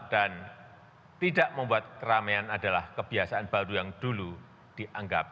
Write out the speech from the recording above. dan tidak membuat keramaian adalah kebiasaan baru yang dulu dianggap tabu